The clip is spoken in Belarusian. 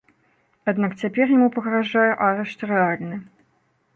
Аднак цяпер яму пагражае арышт рэальны.